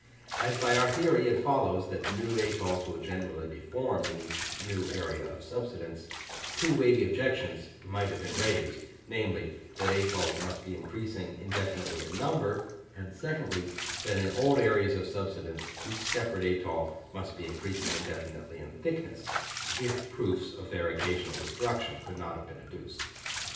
As by our theory it follows that new atolls will generally be formed in each new area of subsidence, two weighty objections might have been raised, namely, that atolls must be increasing indefinitely in number; and secondly, that in old areas of subsidence each separate atoll must be increasing indefinitely in thickness, if proofs of their occasional destruction could not have been adduced.